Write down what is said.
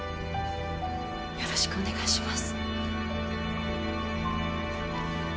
よろしくお願いします。